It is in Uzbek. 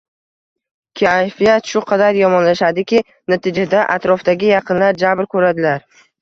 kayfiyat shu qadar yomonlashadiki, natijada atrofdagi yaqinlar jabr ko‘radilar.